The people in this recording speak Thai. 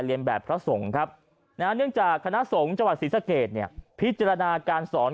เรียนแบบพระสงครับเนื่องจากคณะสงฆ์จวดศรีสักเกษพิจารณาการสอน